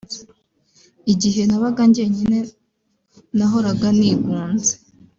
Igihe nabaga njyenyine nahoraga nigunze